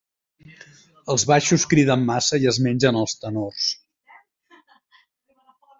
Els baixos criden massa i es mengen els tenors.